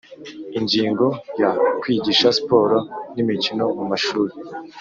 Ingingo ya Kwigisha siporo n’ imikino mumashuri